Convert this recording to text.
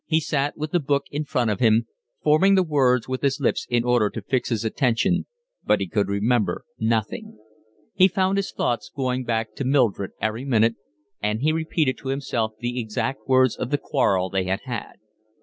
He sat with the book in front of him, forming the words with his lips in order to fix his attention, but he could remember nothing. He found his thoughts going back to Mildred every minute, and he repeated to himself the exact words of the quarrel they had had.